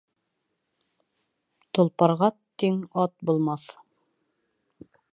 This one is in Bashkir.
Толпарға тиң ат булмаҫ